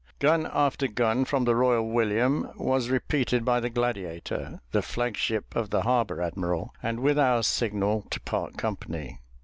Gun after gun from the Royal William was repeated by the Gladiator, the flag ship of the harbour admiral, and with our signal to part company.